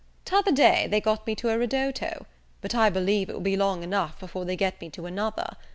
T'other day they got me to a ridotto: but, I believe, it will be long enough before they get me to another.